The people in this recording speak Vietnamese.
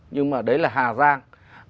nhưng mà đấy là hà giang